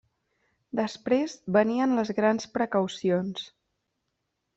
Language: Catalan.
Després venien les grans precaucions.